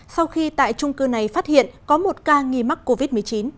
sau khi tại trung cư này phát hiện có một ca nghi mắc covid một mươi chín